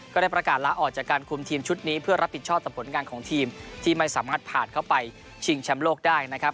ก็ได้ประกาศลาออกจากการคุมทีมชุดนี้เพื่อรับผิดชอบต่อผลงานของทีมที่ไม่สามารถผ่านเข้าไปชิงแชมป์โลกได้นะครับ